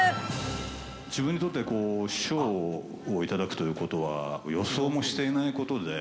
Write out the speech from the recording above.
自分にとって、賞を頂くということは予想もしていないことで。